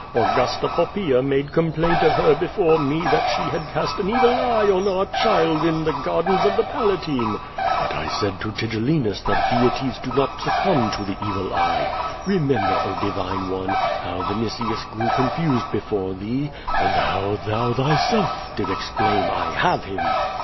Augusta Poppaea made complaint of her before me that she had cast an evil eye on our child in the gardens of the Palatine." "But 1 said to Tigellinus that Deities do not succumb to the evil eye. Remember, oh, divine one, lio\v Vinitius grew confused before thee, and how thou thyself didst exclaim, 'I have him!'